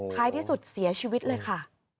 ท้ายที่สุดเสียชีวิตเลยค่ะ